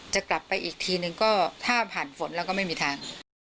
จะกลับไปอีกทีนึงก็ถ้าผ่านฝนแล้วก็ไม่มีทาง